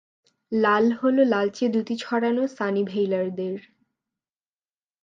লাল হল লালচে দ্যুতি ছড়ানো সানিভেইলার দের।